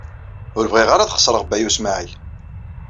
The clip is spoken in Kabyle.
Ur bɣiɣ ara ad xeṣreɣ Baya U Smaɛil.